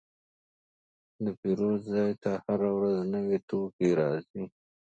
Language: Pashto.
د پیرود ځای ته هره ورځ نوي توکي راځي.